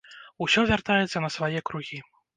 Усё вяртаецца на свае кругі.